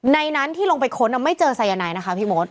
ในนั้นที่ลงไปค้นไม่เจอสายนายนะคะพี่มด